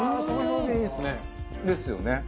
そうですよね。